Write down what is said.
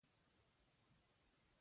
له غرور نه ځان وساته، الله لوی دی.